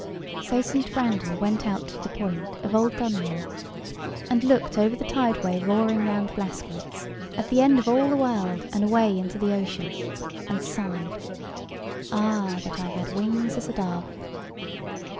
So St. Brandan went out to the point of Old Dunmore, and looked over the tide way roaring round the Blasquets, at the end of all the world, and away into the ocean, and sighed—"Ah that I had wings as a dove!"